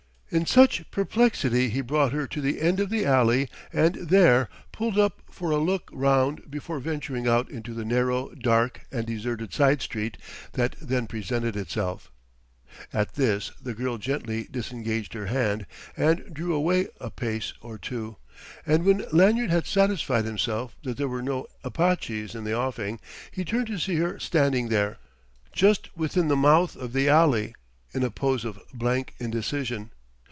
... In such perplexity he brought her to the end of the alley and there pulled up for a look round before venturing out into the narrow, dark, and deserted side street that then presented itself. At this the girl gently disengaged her hand and drew away a pace or two; and when Lanyard had satisfied himself that there were no Apaches in the offing, he turned to see her standing there, just within the mouth of the alley, in a pose of blank indecision.